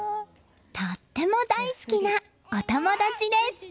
とっても大好きなお友達です。